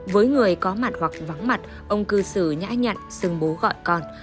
với người có mặt hoặc vắng mặt ông cứ xử nhã nhặn xưng bố gọi con